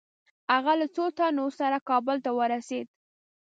هغه له څو تنو سره کابل ته ورسېد.